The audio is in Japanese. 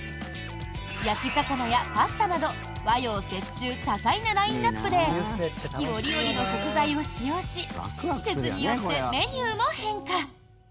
焼き魚やパスタなど和洋折衷、多彩なラインアップで四季折々の食材を使用し季節によってメニューも変化。